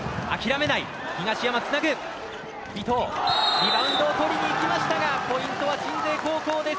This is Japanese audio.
リバウンドを取りにいきましたがポイントは鎮西高校です。